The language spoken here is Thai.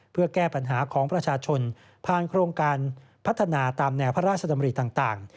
เพื่อแก้ปัญหาของประชาชนผ่านโครงการพัฒนาตามแนวพระราชดำริต่าง